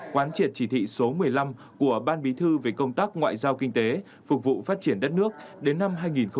quán triệt chỉ thị số một mươi năm của ban bí thư về công tác ngoại giao kinh tế phục vụ phát triển đất nước đến năm hai nghìn ba mươi